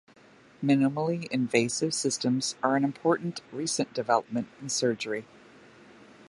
Minimally invasive systems are an important recent development in surgery.